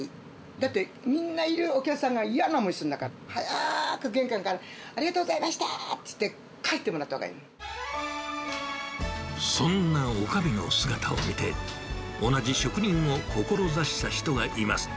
だって、みんないる、お客さんが嫌な思いするんだから、早く玄関から、ありがとうございましたと言って、帰ってもらったほうがいそんなおかみの姿を見て、同じ職人を志した人がいます。